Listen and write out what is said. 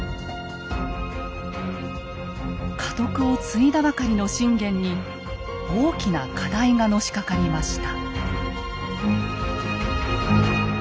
家督を継いだばかりの信玄に大きな課題がのしかかりました。